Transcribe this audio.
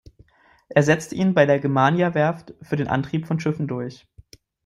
Er setzte ihn bei der Germaniawerft für den Antrieb von Schiffen durch.